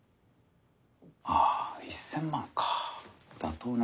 ああ１，０００万か妥当な額だな。